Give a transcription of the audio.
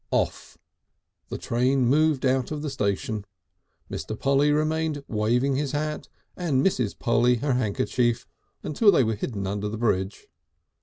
"Off!" The train moved out of the station. Mr. Polly remained waving his hat and Mrs. Polly her handkerchief until they were hidden under the bridge.